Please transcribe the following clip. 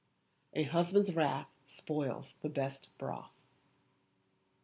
[A HUSBAND'S WRATH SPOILS THE BEST BROTH.